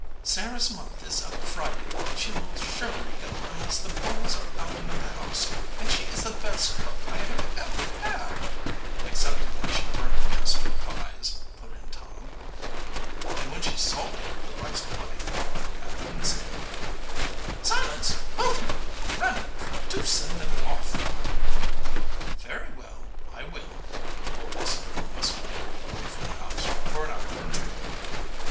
"Sarah's month is up Friday. She will surely go unless the boys are out of the house. And she is the best cook I have ever had." "Excepting when she burnt the custard pies," put in Tom. "And when she salted the rice pudding!" added Sam. "Silence, both of you. Randolph, do send them off." "Very well, I will. Boys, you must go away from the house for an hour or two."